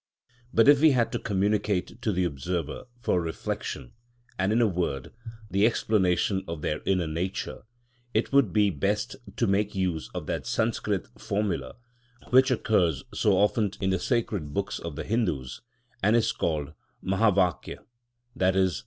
But if we had to communicate to the observer, for reflection, and in a word, the explanation of their inner nature, it would be best to make use of that Sanscrit formula which occurs so often in the sacred books of the Hindoos, and is called Mahavakya, i.e.